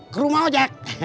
ke rumah ojak